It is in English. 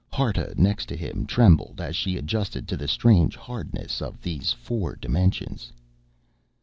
Harta, next to him, trembled as she adjusted to the strange hardness of these four dimensions.